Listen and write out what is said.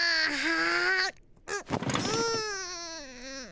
うん。